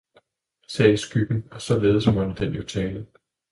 sagde skyggen, og således måtte den jo tale.